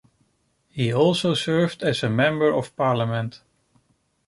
He also served as a Member of Parliament.